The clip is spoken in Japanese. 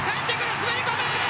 滑り込み。